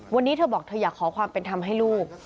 วันนี้เธอบอกเธออยากขอความเป็นธรรมให้ลูก